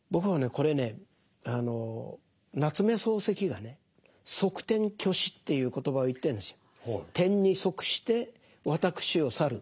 これね夏目漱石がね「則天去私」っていう言葉を言ってるんですよ。